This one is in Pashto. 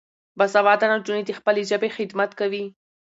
باسواده نجونې د خپلې ژبې خدمت کوي.